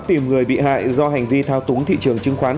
tìm người bị hại do hành vi thao túng thị trường chứng khoán